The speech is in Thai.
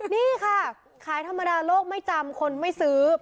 นี่ค่ะขายธรรมดาโลกไม่จำคนไม่ซื้อ